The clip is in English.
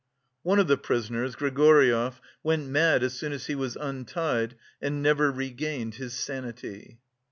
One of the prisoners, Grigoryev, went mad as soon as he was untied, and never regained his sanity.